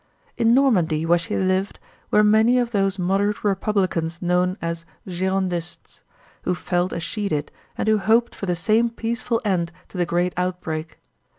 In Normandy, where she lived, were many of those moderate republicans known as Girondists, who felt as she did and who hoped for the same peaceful end to the great outbreak.